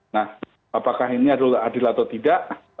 nah apakah ini adalah adil atau tidak